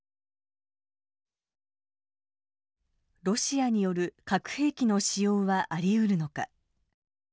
ロシアによる核兵器の使用はありうるのか。